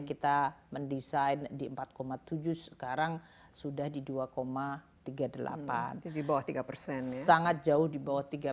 kita mendesain di empat tujuh sekarang sudah di dua tiga puluh delapan dibawah tiga persen sangat jauh dibawah tiga